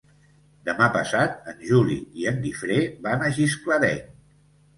Demà passat en Juli i en Guifré van a Gisclareny.